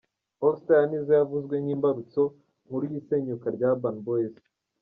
All star’ ya Nizzo yavuzwe nk’imbarutso nkuru y’isenyuka rya urban boyz.